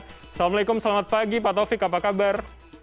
assalamualaikum selamat pagi pak taufik apa kabar